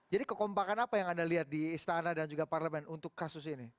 jadi kekompakan apa yang anda lihat di istana dan juga parlemen untuk kasus ini